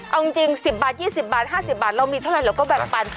เอาจริง๑๐บาท๒๐บาท๕๐บาทเรามีเท่าไหรเราก็แบ่งปัน